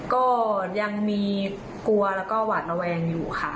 ก็ยังมีกลัวแล้วก็หวาดระแวงอยู่ค่ะ